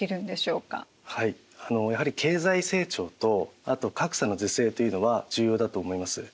やはり経済成長と格差の是正というのは重要だと思います。